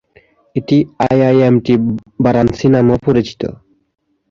এটি আইআইএমটি-বারাণসী নামেও পরিচিত।